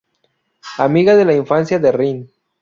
Amiga de la infancia de Rin.